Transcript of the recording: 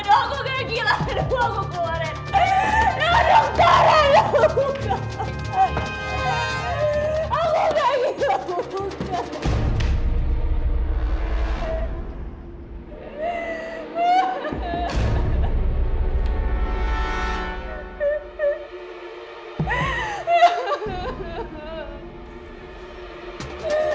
tapi kamu keluarin aku reno